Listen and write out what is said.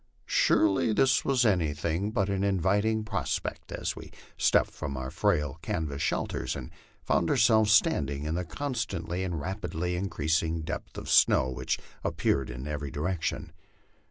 Surely this was anything but an inviting prospect as we stepped from our frail canvas shelters and found ourselves standing in the constantly and rapidly increasing depth of snow which appeared in every direction.